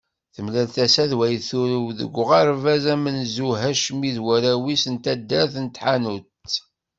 Temlal tasa d way turew deg uɣerbaz amenzu Hacmi d warraw-is n taddart n Tḥanut.